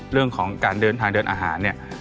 เรื่องของการเดินทางเดินอาหารเนี่ย